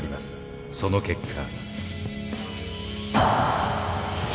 その結果。